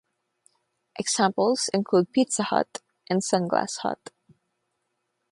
Examples include Pizza Hut and Sunglass Hut.